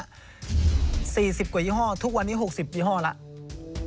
๔๐กว่ายี่ห้อทุกวันนี้๖๐ยี่ห้อแล้ว